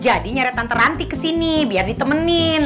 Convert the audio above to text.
jadi nyari tante ranti kesini biar ditemenin